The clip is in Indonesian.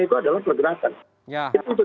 itu adalah pergerakan kita untuk